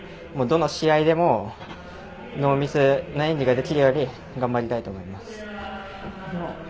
どの試合でもノーミスな演技ができるように頑張りたいと思います。